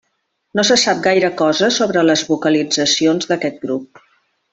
No se sap gaire cosa sobre les vocalitzacions d'aquest grup.